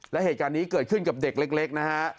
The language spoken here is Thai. และเหตุการณ์นี้เกิดขึ้นกับเด็กเล็กนะฮะ